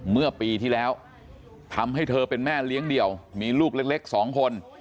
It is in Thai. เมื่อปีที่แล้วทำให้เธอเป็นแม่เลี้ยงเดี่ยวมีลูกเล็ก๒คน